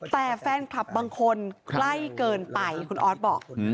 แต่แฟนคลับบางคนใกล้เกินไปคุณออสบอก